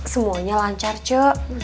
semuanya lancar cu